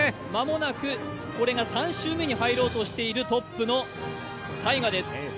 間もなくこれが３周目に入ろうとしているトップのＴＡＩＧＡです。